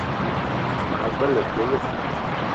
Ma gbele épölo